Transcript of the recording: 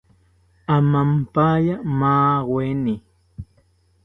Amampaya maaweni